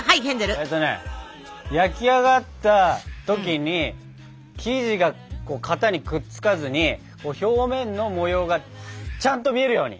えとね焼き上がった時に生地が型にくっつかずに表面の模様がちゃんと見えるように！